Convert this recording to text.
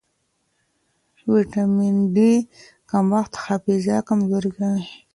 ویټامن ډي کمښت حافظه کمزورې کوي.